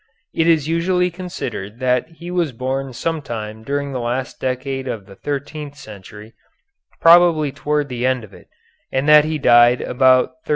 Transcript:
It is usually considered that he was born some time during the last decade of the thirteenth century, probably toward the end of it, and that he died about 1370.